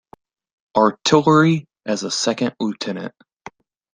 Artillery as a second lieutenant.